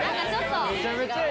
めちゃめちゃいい。